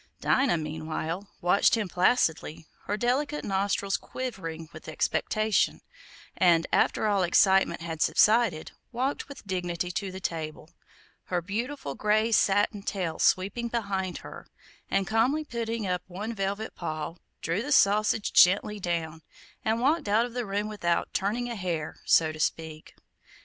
Dinah, meanwhile, watched him placidly, her delicate nostrils quivering with expectation, and, after all excitement had subsided, walked with dignity to the table, her beautiful gray satin tail sweeping behind her, and, calmly putting up one velvet paw, drew the sausage gently down, and walked out of the room without "turning a hair," so to speak.